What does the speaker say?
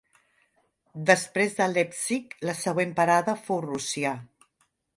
Després de Leipzig, la següent parada fou Rússia.